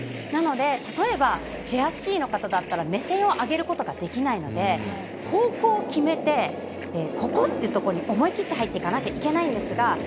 なので、例えばチェアスキーの方なら目線を上げることができないので方向を決めて、ここってところに思い切って入っていかないといけないんですが。